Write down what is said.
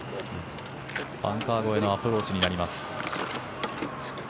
バンカー越えのアプローチになります。